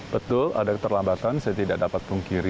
betul ada keterlambatan saya tidak dapat pungkiri